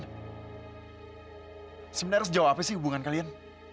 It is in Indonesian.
sebenarnya harus jawab apa sih hubungan kalian